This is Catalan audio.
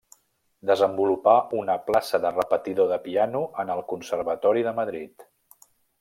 Desenvolupà una plaça de repetidor de piano en el Conservatori de Madrid.